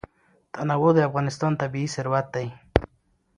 تنوع د افغانستان طبعي ثروت دی.